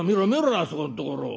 あそこのところを。